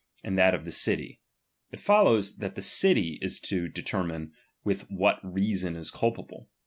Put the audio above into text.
»nd that of the city : it follows, that the city is to c3.«termine what with reason is culpable.